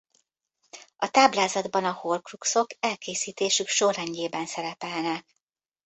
A táblázatban a horcruxok elkészítésük sorrendjében szerepelnek.